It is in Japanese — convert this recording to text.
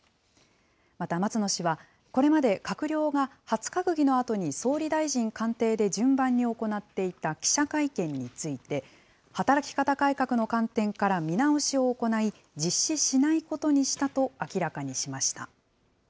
また松野氏は、これまで閣僚が初閣議のあとに総理大臣官邸で順番に行っていた記者会見について、働き方改革の観点から見直しを行い、実施しないことにしたと明らかにしました。